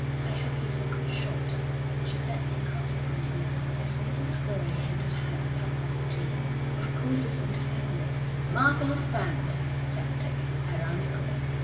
'I hope he's a good shot,' she said inconsequently, as Mrs. Crowley handed her a cap of tea. 'Of course it's in the family.' 'Marvellous family!' said Dick, ironically.